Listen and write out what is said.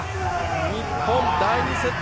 日本、第２セット